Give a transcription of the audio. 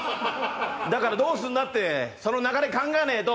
だからどうすんだってその流れ考えないと。